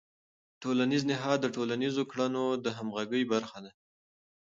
ټولنیز نهاد د ټولنیزو کړنو د همغږۍ برخه ده.